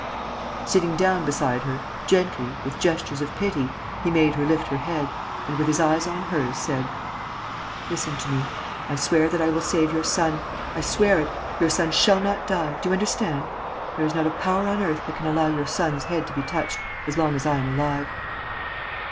Sitting down beside her, gently, with gestures of pity, he made her lift her head and, with his eyes on hers, said: "Listen to me. I swear that I will save your son: I swear it.... Your son shall not die, do you understand?... There is not a power on earth that can allow your son's head to be touched as long as I am alive."